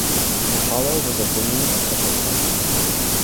In a hollow was a gleam of something white.